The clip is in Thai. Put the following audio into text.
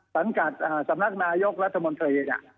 สังกัดสำนักนายกรัฐมนตรี